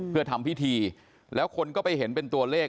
เพื่อทำพิธีแล้วคนก็ไปเห็นเป็นตัวเลข